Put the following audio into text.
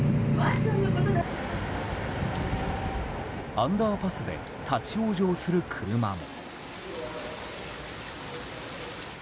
アンダーパスで立ち往生する車も。